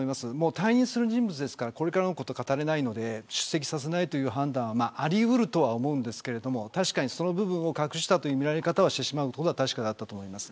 退任する人物ですからこれからのこと語れないので出席させないという判断はあり得るとは思うんですけど確かにそういう部分を隠したという見られ方はしてしまうと思います。